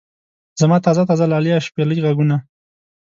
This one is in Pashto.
زما تازه تازه لاليه شپېلۍ غږونه.